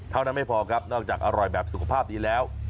ไม่พอครับนอกจากอร่อยแบบสุขภาพดีแล้ว